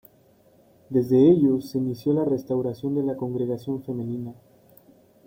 Desde ellos se inició la restauración de la congregación femenina.